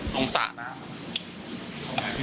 ตรงศาลาครับ